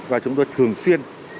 và chúng tôi thường xuyên